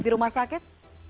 di rumah sakit